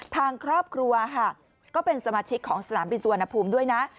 ทางครอบครัวค่ะก็เป็นสมาชิกของสนามบินสุวรรณภูมิด้วยนะ